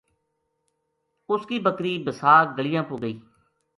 اس کی بکری بیساکھ گلیاں پو گئی